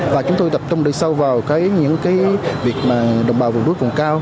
và chúng tôi tập trung đầy sâu vào những cái việc mà đồng bào vùng đuối cùng cao